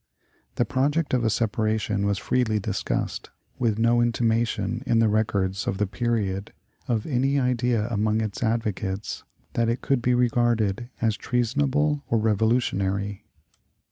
The project of a separation was freely discussed, with no intimation, in the records of the period, of any idea among its advocates that it could be regarded as treasonable or revolutionary.